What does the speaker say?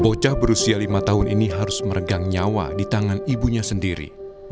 bocah berusia lima tahun ini harus meregang nyawa di tangan ibunya sendiri